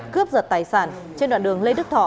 cướp giật tài sản trên đoạn đường lê đức thọ